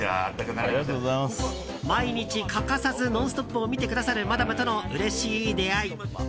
毎日欠かさず「ノンストップ！」を見てくださるマダムとのうれしい出会い。